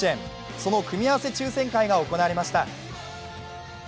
その組み合わせ抽選会が行われました。